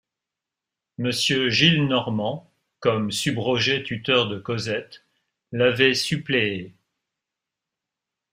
Monsieur Gillenormand, comme subrogé tuteur de Cosette, l’avait suppléé.